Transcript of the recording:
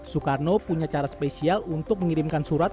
soekarno punya cara spesial untuk mengirimkan surat